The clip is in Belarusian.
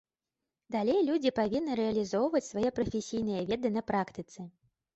Далей людзі павінны рэалізоўваць свае прафесійныя веды на практыцы.